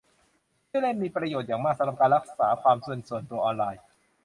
ชื่อเล่นมีประโยชน์อย่างมากสำหรับการรักษาความเป็นส่วนตัวออนไลน์